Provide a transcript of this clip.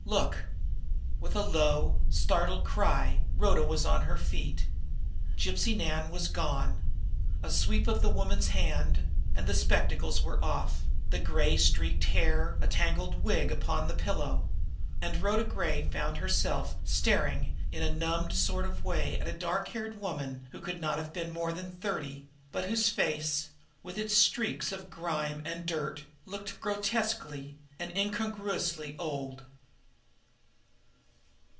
Look!" With a low, startled cry, Rhoda Gray was on her feet. Gypsy Nan was gone. A sweep of the woman's hand, and the spectacles were off, the gray streaked hair a tangled wig upon the pillow and Rhoda Gray found herself staring in a numbed sort of way at a dark haired woman who could not have been more than thirty, but whose face, with its streaks of grime and dirt, looked grotesquely and incongruously old.